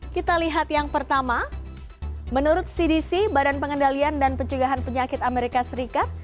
kita lihat yang pertama menurut cdc badan pengendalian dan pencegahan penyakit amerika serikat